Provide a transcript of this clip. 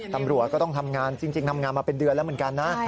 ตำรวจก็ต้องทำงานจริงทำงานมาเป็นเดือนแล้วเหมือนกันนะ